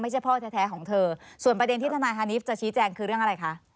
พ่อแท้ของเธอส่วนประเด็นที่ทนายฮานิฟจะชี้แจงคือเรื่องอะไรคะ